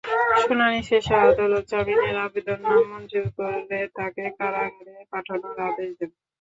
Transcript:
শুনানি শেষে আদালত জামিনের আবেদন নামঞ্জুর করে তাঁকে কারাগারে পাঠানোর আদেশ দেন।